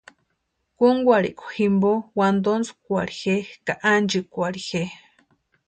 Kúnkwarhikwa jimpo, wantontskwarhi je ka ánchikwarhi je.